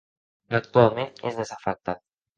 Actualment és desafectat.